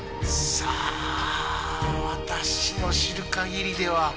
さあ私の知る限りでは。